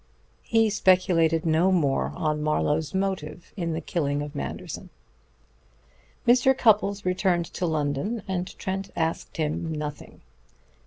He speculated no more on Marlowe's motive in the killing of Manderson. Mr. Cupples returned to London, and Trent asked him nothing.